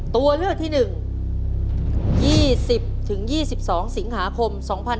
ตัวเลือกที่๑๒๐๒๒สิงหาคม๒๕๖๒